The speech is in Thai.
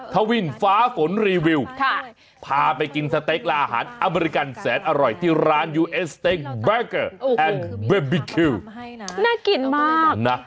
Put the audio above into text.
ทวินฟ้าฝนรีวิวพาไปกินสเต็กและอาหารอเมริกันแสนอร่อยที่ร้านยูเอสเต็กแบกเกอร์แอนด์เบบีคิวน่ากินมากนะ